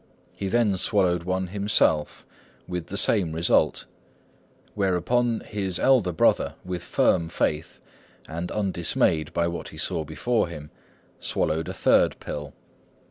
He then swallowed one himself, with the same result; whereupon his elder brother, with firm faith, and undismayed by what he saw before him, swallowed a third pill.